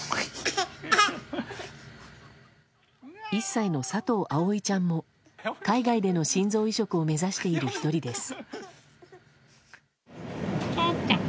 １歳の佐藤葵ちゃんも海外での心臓移植を目指している１人です。